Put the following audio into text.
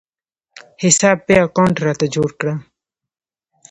حساب پې اکاونټ راته جوړ کړه